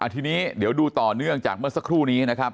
ทีนี้เดี๋ยวดูต่อเนื่องจากเมื่อสักครู่นี้นะครับ